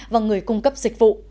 và người cung cấp dịch vụ